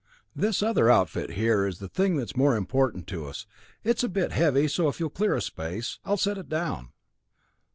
This other outfit here is the thing that is more important to us. It's a bit heavy, so if you'll clear a space, I'll set it down.